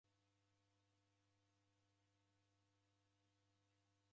Nevalwa mori ghwa imbiri.